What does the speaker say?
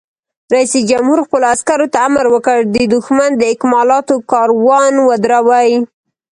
رئیس جمهور خپلو عسکرو ته امر وکړ؛ د دښمن د اکمالاتو کاروان ودروئ!